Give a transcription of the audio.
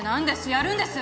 やるんです？